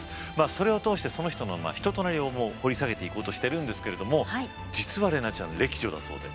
それを通してその人の人となりを掘り下げていこうとしてるんですけれども実は怜奈ちゃん歴女だそうで。